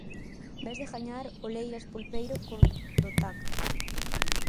Vés de gañar o Leiras Pulpeiro con Do tacto.